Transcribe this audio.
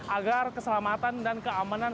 agar keselamatan dan keamanan